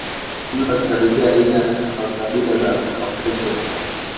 ujumla wakikaribia aina wa kabila la Caucasian